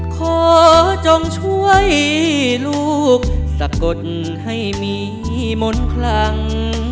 ขอจงช่วยลูกสะกดให้มีมนต์คลัง